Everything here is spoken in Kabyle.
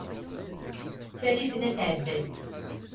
farid n at abbas